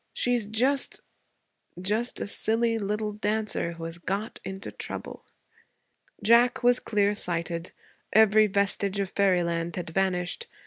She's just just a silly little dancer who has got into trouble.' Jack was clear sighted. Every vestige of fairyland had vanished.